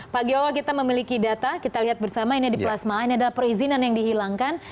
pak giowa kita memiliki data kita lihat bersama ini di plasma ini adalah perizinan yang dihilangkan